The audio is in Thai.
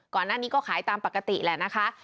ก่อนหน้านี้ก็ขายตามปกติแหละนะคะ